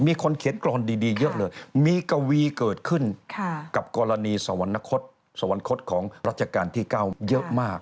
มีคนเขียนกรอนดีเยอะเลยมีกวีเกิดขึ้นกับกรณีสวรรคตสวรรคตของรัชกาลที่๙เยอะมาก